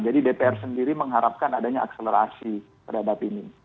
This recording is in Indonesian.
jadi dpr sendiri mengharapkan adanya akselerasi terhadap ini